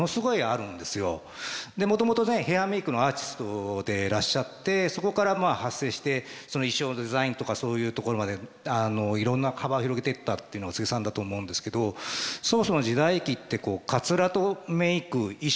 もともとねヘアメークのアーティストでいらっしゃってそこから派生して衣装デザインとかそういうところまでいろんな幅を広げてったっていうのが柘植さんだと思うんですけどそもそも時代劇ってかつらとメーク衣装